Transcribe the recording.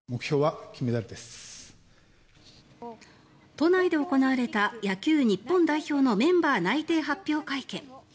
都内で行われた野球日本代表のメンバー内定発表会見。